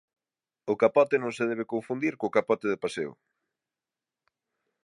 O capote non se debe confundir co capote de paseo.